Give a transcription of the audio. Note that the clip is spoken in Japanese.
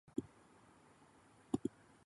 アラゴン州の州都はサラゴサである